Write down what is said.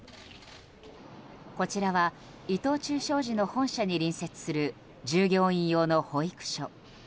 こちらは、伊藤忠商事の本社に隣接する従業員用の保育所。